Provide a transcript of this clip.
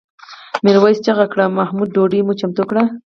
میرويس چیغه کړه محموده ډوډۍ مو چمتو کړه؟